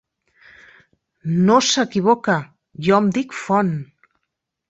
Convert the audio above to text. No, s'equivoca. Jo em dic Font.